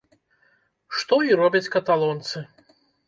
Што і робяць каталонцы.